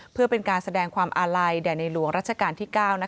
เพื่อเป็นการแสดงความอาลัยแด่ในหลวงรัชกาลที่๙